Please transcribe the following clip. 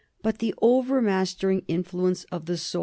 But the overmastering influence of the soil 1 H.